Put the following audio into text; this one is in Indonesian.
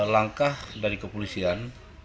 langkah dari kepolisian